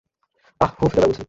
আহ- হু ফেলে দাও বলছি।